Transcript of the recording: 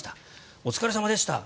お疲れ様でした！